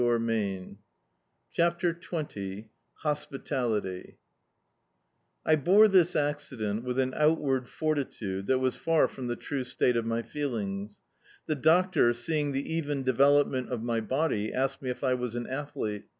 db, Google CHAPTER XX HOSPITAUTY I BORE diis accident with an outward fortitude that was far frcvn the true state of my feel ing. Tlie doctor, seeing the even develop ment of my body, asked me if I was an athlete.